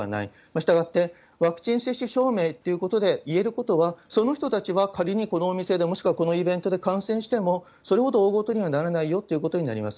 したがって、ワクチン接種証明ということでいえることは、その人たちは仮にこのお店で、もしくはこのイベントで感染しても、それほど大事にはならないよということになります。